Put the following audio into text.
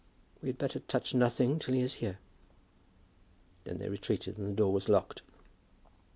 "We had better touch nothing till he is here." Then they retreated and the door was locked.